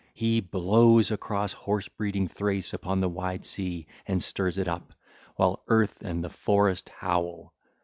He blows across horse breeding Thrace upon the wide sea and stirs it up, while earth and the forest howl.